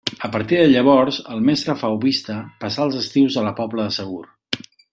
A partir de llavors, el mestre fauvista passà els estius a la Pobla de Segur.